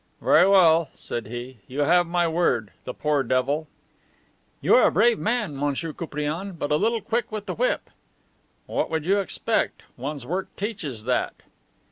"Very well," said he. "You have my word. The poor devil!" "You are a brave man, Monsieur Koupriane, but a little quick with the whip..." "What would you expect? One's work teaches that."